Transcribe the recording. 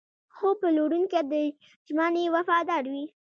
ښه پلورونکی د ژمنې وفادار وي.